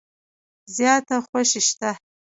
زیاته خوشي شته .